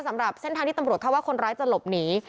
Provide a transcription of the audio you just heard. สำหรับเส้นทางที่ตำรวจเข้าว่าคนร้ายจะหลบหนี